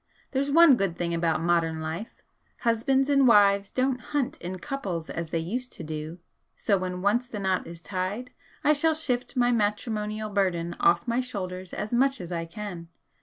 There's one good thing about modern life, husbands and wives don't hunt in couples as they used to do, so when once the knot is tied I shall shift my matrimonial burden off my shoulders as much as I can.